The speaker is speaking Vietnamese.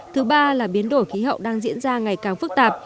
thứ ba là biến đổi khí hậu đang diễn ra ngày càng phức tạp